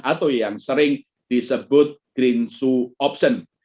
atau yang sering disebut green su option